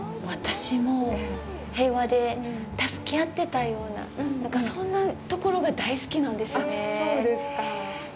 私も、平和で助け合ってたようなそんなところが大好きなんですよね。